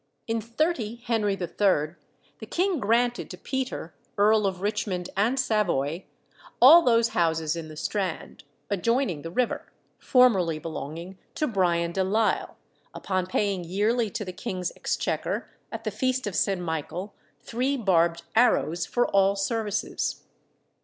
In 30 Henry III. the king granted to Peter, Earl of Richmond and Savoy, all those houses in the Strand, adjoining the river, formerly belonging to Brian de Lisle, upon paying yearly to the king's exchequer, at the Feast of St. Michael, three barbed arrows for all services.